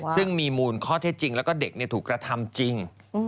ซึ่งมีมูลข้อเท็จจริงแล้วก็เด็กถูกกระทำจริง